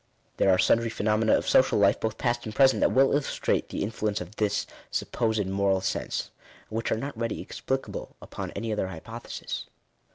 There are sundry phenomena of social life, both past and present, that well illustrate the in fluence of this supposed moral sense, and whioh are not readily explicable upon any other hypothesis.